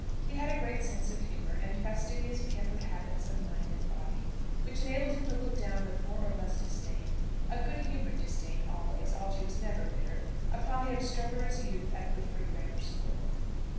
He had a great sense of humour, and fastidious pampered habits of mind and body, which enabled him to look down with more or less disdain a good humoured disdain, always, Algy was never bitter upon the obstreperous youth at the Whitford Grammar School.